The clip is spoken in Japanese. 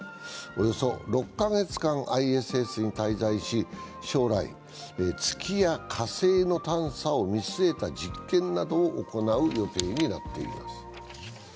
およそ６か月間ＩＳＳに滞在し将来、月や火星の探査を見据えた実験などを行う予定になっています。